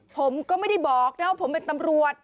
ผมก็ไม่ได้บอกนะว่าผมเป็นตำรวจ